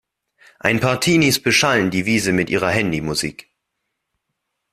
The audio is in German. Ein paar Teenies beschallen die Wiese mit ihrer Handymusik.